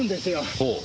ほう。